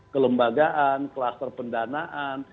kelembagaan klaster pendanaan